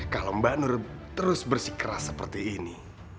kalau mbak nur terus bersikeras seperti ini